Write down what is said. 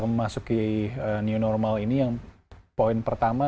memasuki new normal ini yang poin pertama